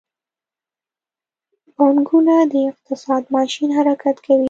پانګونه د اقتصاد ماشین حرکت کوي.